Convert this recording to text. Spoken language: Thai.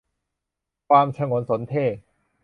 ความฉงนสนเท่ห์